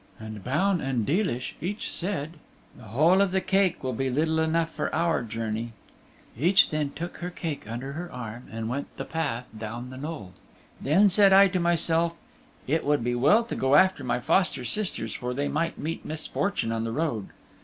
And Baun and Deelish each said, "The whole of the cake will be little enough for our journey." Each then took her cake under her arm and went the path down the knowe. Then said I to myself, "It would be well to go after my foster sisters for they might meet misfortune on the road."